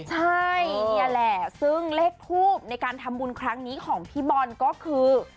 ใช่นี่แหละซึ่งเลขทูบในการทำบุญครั้งนี้ของพี่บอลก็คือ